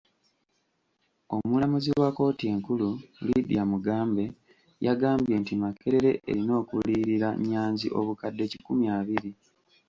Omulamuzi wa kkooti enkulu Lydia Mugambe yagambye nti Makerere erina okuliyirira Nyanzi obukadde kikumi abiri.